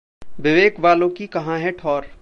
विवेक वालों की कहां है ठौर?